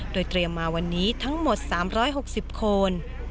โดยเตรียมมาวันนี้ทั้งหมด๓๖๐คน